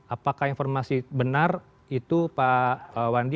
apakah informasi benar itu pak wandi